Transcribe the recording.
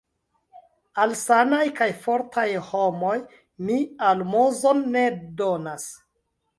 Al sanaj kaj fortaj homoj mi almozon ne donas.